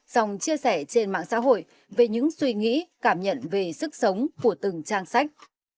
xong chia sẻ trên mạng xã hội về những suy nghĩ cảm nhận về sức sống của từng trang sách